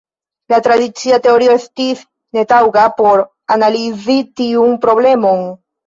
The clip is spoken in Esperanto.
La tradicia teorio estis netaŭga por analizi tiun problemon.